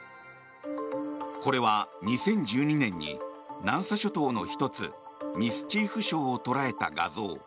これは、２０１２年に南沙諸島の１つミスチーフ礁を捉えた画像。